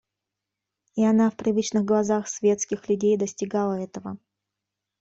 И она в привычных глазах светских людей достигала этого.